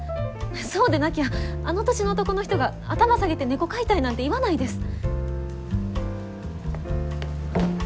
そうでなきゃあの年の男の人が頭下げて猫飼いたいなんて言わないです。